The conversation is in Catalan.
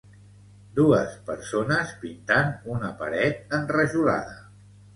Dues persones pintant una paret enrajolada.